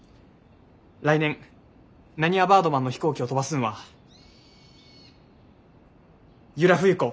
来年なにわバードマンの飛行機を飛ばすんは由良冬子！